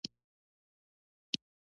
موزیک د رباب نغمه ده.